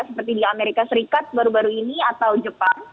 seperti di amerika serikat baru baru ini atau jepang